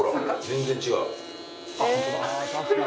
全然違う。